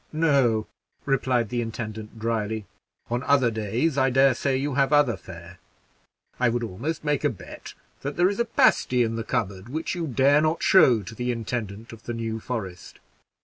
"No," replied the intendant, dryly; "on other days I dare say you have other fare. I would almost make a bet that there is a pasty in the cupboard which you dare not show to the intendant of the New Forest."